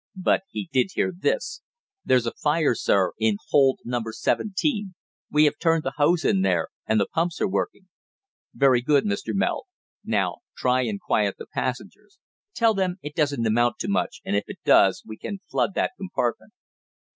But he did hear this: "There's a fire, sir, in hold number seventeen. We have turned the hose in there, and the pumps are working." "Very good, Mr. Meld. Now try and quiet the passengers. Tell them it doesn't amount to much, and if it does we can flood that compartment."